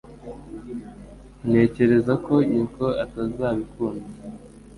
Ntekereza ko nyoko atazabikunda